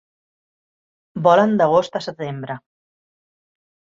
Volen d'agost a setembre.